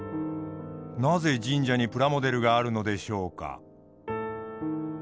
なぜ神社にプラモデルがあるのでしょうか。